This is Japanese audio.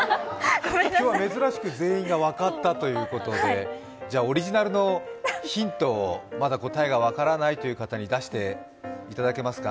今日は珍しく全員が分かったということで、オリジナルのヒントをまだ答えが分からないという方に出していただけますか？